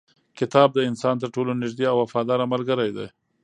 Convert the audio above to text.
کتاب د انسان تر ټولو نږدې او وفاداره ملګری دی.